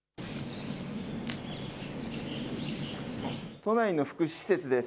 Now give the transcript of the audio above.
都内の福祉施設です。